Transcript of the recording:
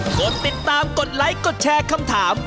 กดติดตามกดไลค์กดแชร์คำถาม